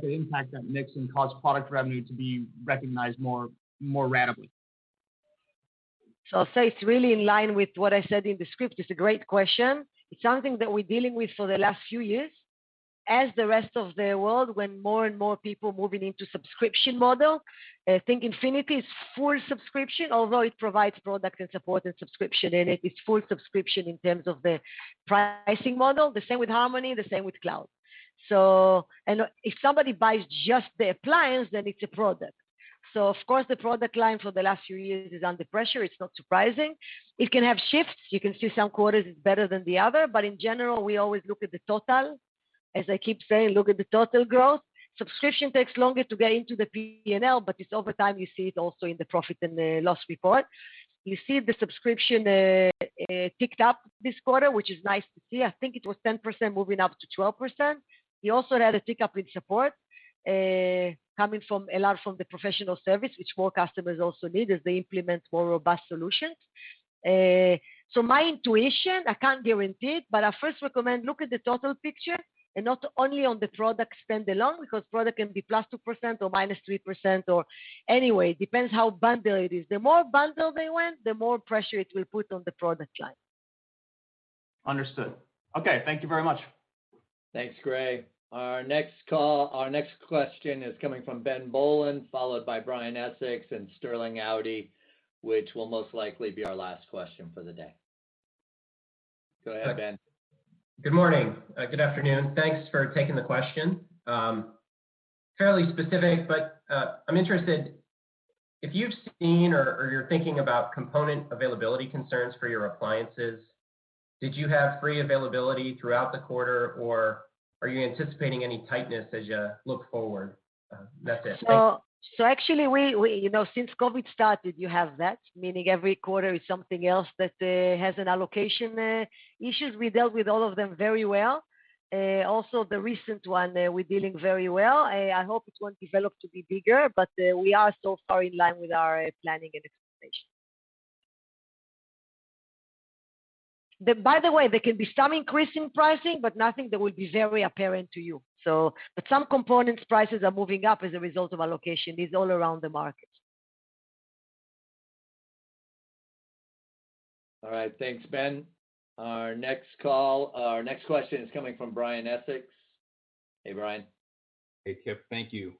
could impact that mix and cause product revenue to be recognized more rapidly? I'll say it's really in line with what I said in the script. It's a great question. It's something that we're dealing with for the last few years, as the rest of the world, when more and more people moving into subscription model. I think Infinity is full subscription, although it provides product and support and subscription in it. It's full subscription in terms of the pricing model. The same with Harmony, the same with Cloud. If somebody buys just the appliance, then it's a product. Of course, the product line for the last few years is under pressure. It's not surprising. It can have shifts. You can see some quarters it's better than the other, but in general, we always look at the total, as I keep saying, look at the total growth. Subscription takes longer to get into the P&L, but it's over time, you see it also in the profit and the loss report. You see the subscription ticked up this quarter, which is nice to see. I think it was 10% moving up to 12%. We also had a tick-up in support, coming a lot from the professional service, which more customers also need as they implement more robust solutions. My intuition, I can't guarantee it, but I first recommend look at the total picture and not only on the product spend alone, because product can be +2% or -3% or Anyway, it depends how bundled it is. The more bundled they went, the more pressure it will put on the product line. Understood. Okay. Thank you very much. Thanks, Gray. Our next question is coming from Ben Bollin, followed by Brian Essex and Sterling Auty, which will most likely be our last question for the day. Go ahead, Ben. Good morning. Good afternoon. Thanks for taking the question. Fairly specific, I'm interested if you've seen or you're thinking about component availability concerns for your appliances. Did you have free availability throughout the quarter, or are you anticipating any tightness as you look forward? That's it. Thank you. Actually, since COVID started, you have that, meaning every quarter is something else that has an allocation issue. We dealt with all of them very well. Also the recent one, we're dealing very well. I hope it won't develop to be bigger, but we are so far in line with our planning and expectation. By the way, there can be some increase in pricing, but nothing that will be very apparent to you. Some components' prices are moving up as a result of allocation. It's all around the market. All right. Thanks, Ben. Our next question is coming from Brian Essex. Hey, Brian. Hey, Kip. Thank you.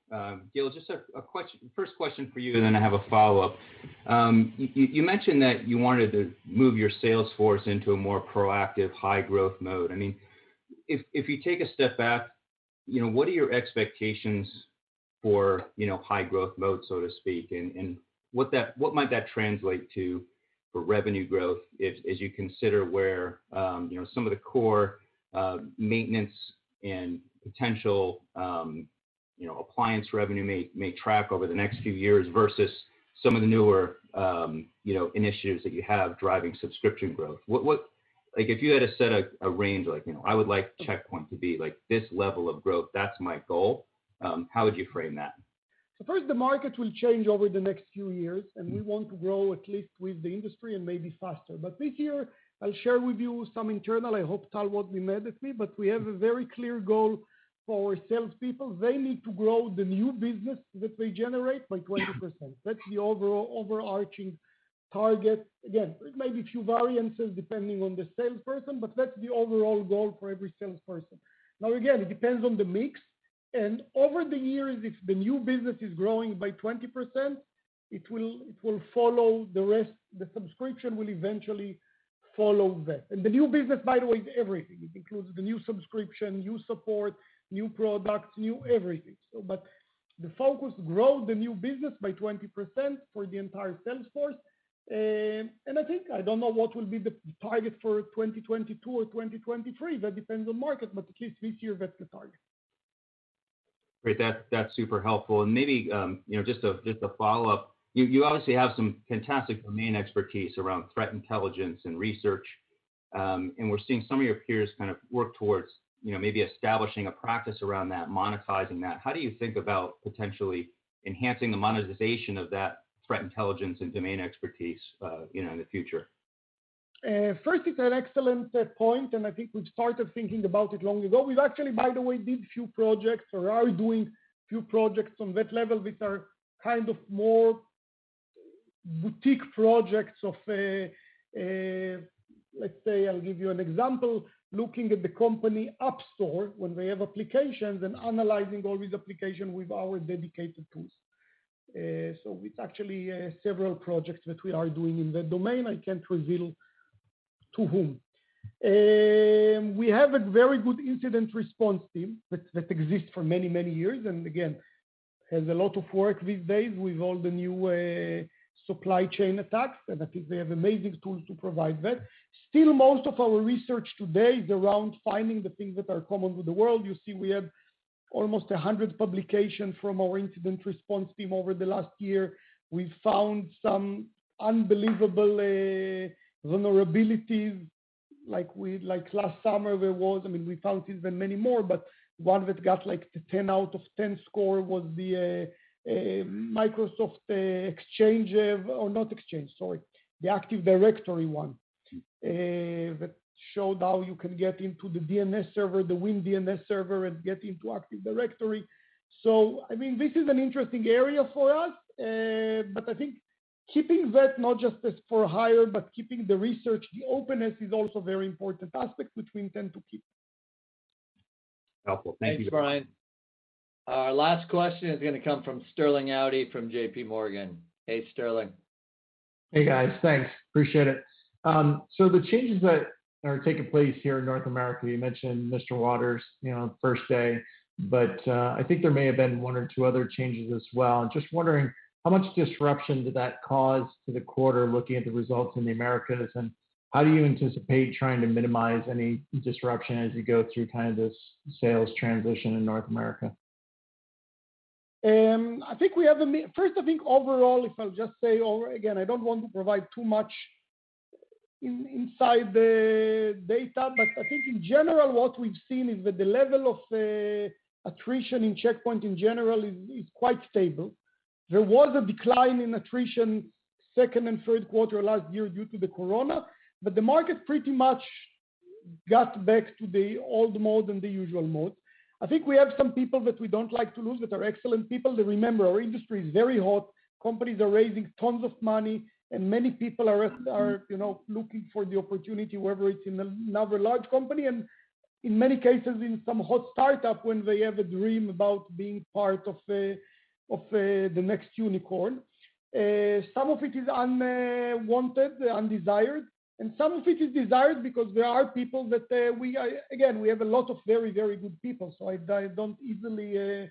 Gil, just first question for you. Then I have a follow-up. You mentioned that you wanted to move your sales force into a more proactive high-growth mode. If you take a step back, what are your expectations for high-growth mode, so to speak, and what might that translate to for revenue growth as you consider where some of the core maintenance and potential appliance revenue may track over the next few years versus some of the newer initiatives that you have driving subscription growth? If you had to set a range, like, "I would like Check Point to be this level of growth. That's my goal," how would you frame that? First, the market will change over the next few years, and we want to grow at least with the industry and maybe faster. This year, I'll share with you some internal, I hope Tal won't be mad at me, but we have a very clear goal for our salespeople. They need to grow the new business that they generate by 20%. That's the overall overarching target. Again, there may be a few variances depending on the salesperson, but that's the overall goal for every salesperson. Again, it depends on the mix, and over the years, if the new business is growing by 20%, it will follow the rest. The subscription will eventually follow that. The new business, by the way, is everything. It includes the new subscription, new support, new products, new everything. The focus, grow the new business by 20% for the entire sales force. I think, I don't know what will be the target for 2022 or 2023. That depends on market, but at least this year, that's the target. Great. That is super helpful. Maybe, just a follow-up, you obviously have some fantastic domain expertise around threat intelligence and research, and we are seeing some of your peers kind of work towards maybe establishing a practice around that, monetizing that. How do you think about potentially enhancing the monetization of that threat intelligence and domain expertise in the future? First, it's an excellent point. I think we've started thinking about it long ago. We've actually, by the way, did a few projects or are doing a few projects on that level, which are kind of more boutique projects of, let's say I'll give you an example, looking at the company app store when they have applications and analyzing all these application with our dedicated tools. It's actually several projects that we are doing in that domain. I can't reveal to whom. We have a very good incident response team that exists for many, many years, and again, has a lot of work these days with all the new supply chain attacks, and I think they have amazing tools to provide that. Most of our research today is around finding the things that are common with the world. You see, we have almost 100 publications from our incident response team over the last year. We found some unbelievable vulnerabilities, like last summer, there was, I mean, we found even many more, but one that got like the 10 out of 10 score was the Microsoft Exchange, or not Exchange, sorry, the Active Directory one, that showed how you can get into the DNS server, the Windows DNS server, and get into Active Directory. I mean, this is an interesting area for us. Keeping that, not just as for hire, but keeping the research, the openness is also very important aspect which we intend to keep. Helpful. Thank you. Thanks, Brian. Our last question is going to come from Sterling Auty from JPMorgan. Hey, Sterling. Hey, guys. Thanks. Appreciate it. The changes that are taking place here in North America, you mentioned Geoff Waters, first day, but I think there may have been one or two other changes as well. I'm just wondering, how much disruption did that cause to the quarter, looking at the results in the Americas, and how do you anticipate trying to minimize any disruption as you go through this sales transition in North America? First, I think overall, if I'll just say, again, I don't want to provide too much inside the data, but I think in general, what we've seen is that the level of attrition in Check Point in general is quite stable. There was a decline in attrition second and third quarter last year due to the corona. The market pretty much got back to the old mode and the usual mode. I think we have some people that we don't like to lose that are excellent people. Remember, our industry is very hot. Companies are raising tons of money. Many people are looking for the opportunity, whether it's in another large company and in many cases in some hot startup when they have a dream about being part of the next unicorn. Some of it is unwanted, undesired, some of it is desired because there are people that, again, we have a lot of very good people, so I don't easily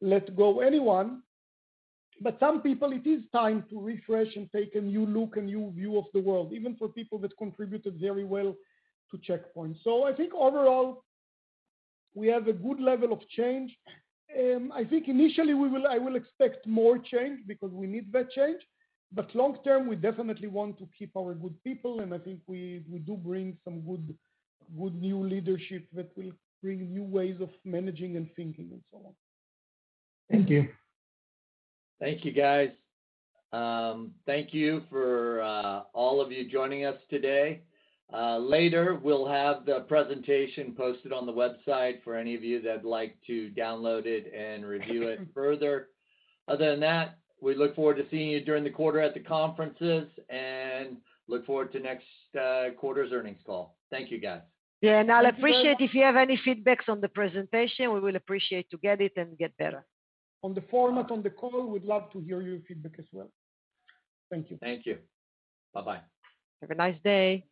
let go anyone. Some people, it is time to refresh and take a new look, a new view of the world, even for people that contributed very well to Check Point. I think overall, we have a good level of change. I think initially I will expect more change because we need that change. Long term, we definitely want to keep our good people, and I think we do bring some good new leadership that will bring new ways of managing and thinking and so on. Thank you. Thank you, guys. Thank you for all of you joining us today. Later, we'll have the presentation posted on the website for any of you that'd like to download it and review it further. Other than that, we look forward to seeing you during the quarter at the conferences and look forward to next quarter's earnings call. Thank you, guys. Yeah, I'll appreciate if you have any feedbacks on the presentation. We will appreciate to get it and get better. On the format, on the call, we'd love to hear your feedback as well. Thank you. Thank you. Bye-bye. Have a nice day.